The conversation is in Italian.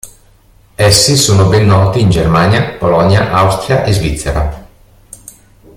Essi sono ben noti in Germania, Polonia, Austria e Svizzera.